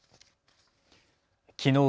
きのう